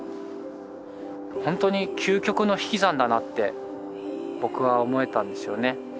本当に究極の引き算だなって僕は思えたんですよね。